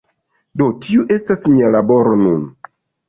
Do tiu estas mia laboro nun.